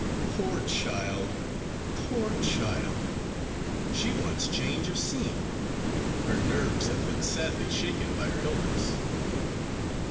"Poor child poor child! she wants change of scene. Her nerves have been sadly shaken by her illness."